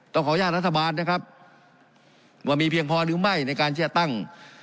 ขออนุญาตรัฐบาลนะครับว่ามีเพียงพอหรือไม่ในการที่จะตั้ง